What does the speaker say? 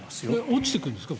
落ちていくんですか？